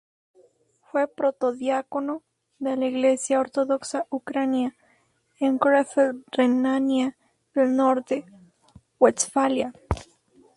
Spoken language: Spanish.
Fue protodiácono de la iglesia ortodoxa ucrania en Krefeld, Renania del Norte-Westfalia.